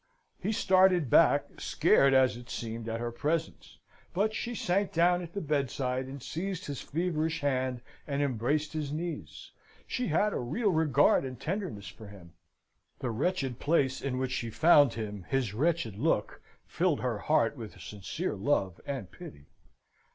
He started back, scared as it seemed at her presence, but she sank down at the bedside, and seized his feverish hand, and embraced his knees. She had a real regard and tenderness for him. The wretched place in which she found him, his wretched look, filled her heart with a sincere love and pity.